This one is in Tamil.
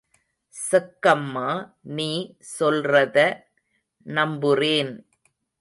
செக்கம்மா... நீ சொல்றத நம்புறேன்.